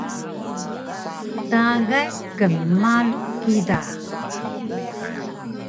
Tagay knmalu kida!